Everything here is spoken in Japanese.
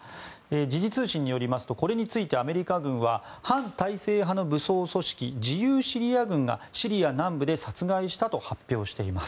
時事通信によりますとこれについてアメリカ軍は反体制派の武装組織自由シリア軍がシリア南部で殺害したと発表しています。